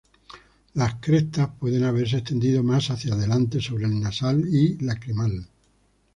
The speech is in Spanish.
Las crestas pueden haberse extendido más hacia adelante, sobre el nasal y lacrimal.